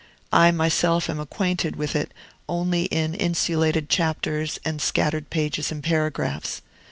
I myself am acquainted with it only in insulated chapters and scattered pages and paragraphs.